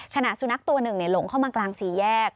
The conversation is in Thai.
ขณะสุนัขตัวหนึ่งหลงเข้ามากลางสี่แยก